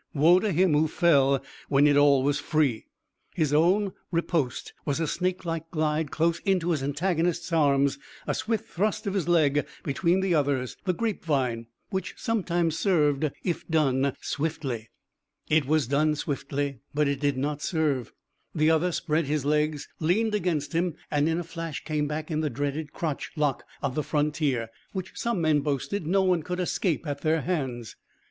Woe to him who fell when it all was free! His own riposte was a snakelike glide close into his antagonist's arms, a swift thrust of his leg between the other's the grapevine, which sometimes served if done swiftly. It was done swiftly, but it did not serve. The other spread his legs, leaned against him, and in a flash came back in the dreaded crotch lock of the frontier, which some men boasted no one could escape at their hands.